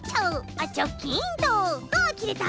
ああきれた。